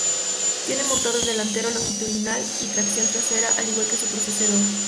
Tiene motor delantero longitudinal y tracción trasera, al igual que su predecesor.